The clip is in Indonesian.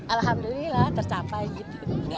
alhamdulillah tercapai gitu